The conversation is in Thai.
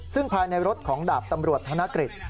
ซึ่งภายในรถของดาบตำรวจธนกฤษ